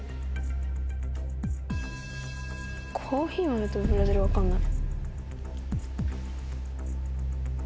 コーヒー豆とブラジル分かんない。